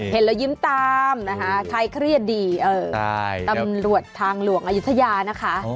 เห็นแล้วยิ้มตามนะคะใครเครียดดีตำรวจทางหลวงอายุทยานะคะ